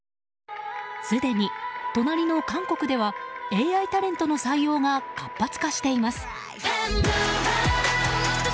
すでに隣の韓国ではＡＩタレントの採用が活発化しています。